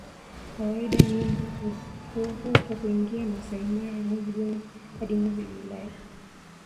Kawaida nyumbu huvuka kuingia Maasai Mara mwezi Juni hadi mwezi Julai